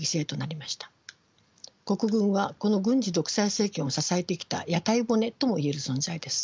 国軍はこの軍事独裁政権を支えてきた屋台骨とも言える存在です。